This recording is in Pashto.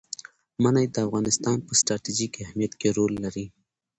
منی د افغانستان په ستراتیژیک اهمیت کې رول لري.